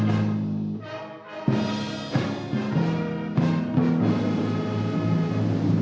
yang telah dikandalkan